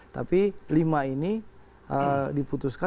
tapi lima ini diputuskan untuk kita putuskan ya